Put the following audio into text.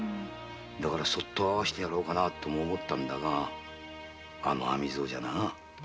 だからそっと会わせようかと考えたんだがあの網蔵じゃな。